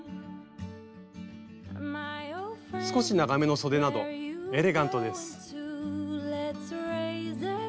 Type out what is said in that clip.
少し長めのそでなどエレガントです。